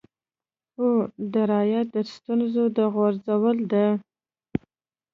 او درایت د ستونزو د غوڅولو ده